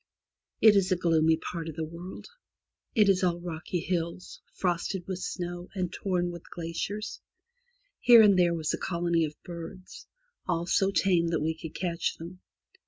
It is a gloomy part of the world. It is all rocky hills, frosted with snow, and torn with glaciers. Here and there was a colony of birds, all so tame that we could catch them.